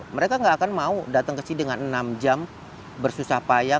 mereka nggak akan mau datang ke sini dengan enam jam bersusah payah